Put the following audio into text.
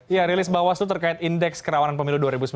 ya rilis bawaslu terkait indeks kerawanan pemilu dua ribu sembilan belas